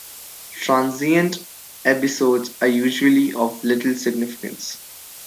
Transient episodes are usually of little significance.